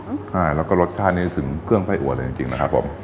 อ่าแล้วก็รสชาตินี้ถึงเครื่องไส้อัวเลยจริงจริงนะครับผม